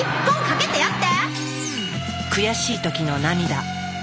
悔しい時の涙。